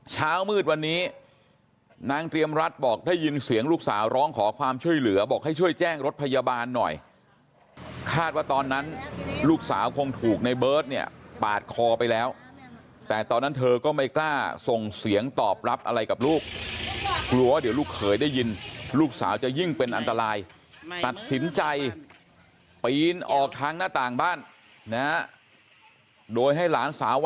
เช้ามืดวันนี้นางเตรียมรัฐบอกได้ยินเสียงลูกสาวร้องขอความช่วยเหลือบอกให้ช่วยแจ้งรถพยาบาลหน่อยคาดว่าตอนนั้นลูกสาวคงถูกในเบิร์ตเนี่ยปาดคอไปแล้วแต่ตอนนั้นเธอก็ไม่กล้าส่งเสียงตอบรับอะไรกับลูกกลัวว่าเดี๋ยวลูกเขยได้ยินลูกสาวจะยิ่งเป็นอันตรายตัดสินใจปีนออกทางหน้าต่างบ้านนะฮะโดยให้หลานสาว